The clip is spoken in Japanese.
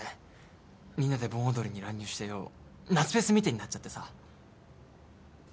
みんなで盆踊りに乱入してよ夏フェスみてえになっちゃってさ。